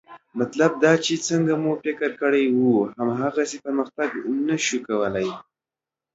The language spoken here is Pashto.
مطلب دا چې څنګه مو چې فکر کړی وي، هماغسې پرمختګ نه شو کولی